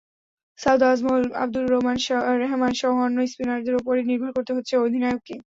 সাঈদ আজমল, আবদুর রেহমানসহ অন্য স্পিনারদের ওপরই নির্ভর করতে হচ্ছে অধিনায়ককে।